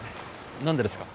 何でですか？